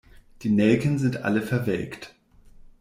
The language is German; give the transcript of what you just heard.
Die Nelken sind alle verwelkt.